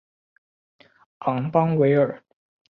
昂邦维尔。